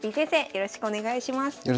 よろしくお願いします。